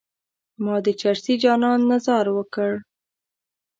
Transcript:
ما د چرسي جانان نه ځار وکړ.